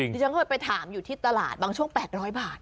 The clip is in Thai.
ที่ฉันเคยไปถามอยู่ที่ตลาดบางช่วง๘๐๐บาท